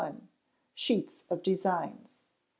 Sheets of Designs.